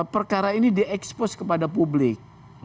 perkara ini diekspos kepada publik